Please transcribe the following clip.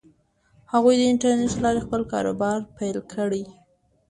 هغوی د انټرنیټ له لارې خپل کاروبار پیل کړ.